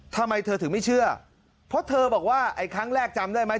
ทำไมเธอถึงไม่เชื่อเพราะเธอบอกว่าไอ้ครั้งแรกจำได้ไหม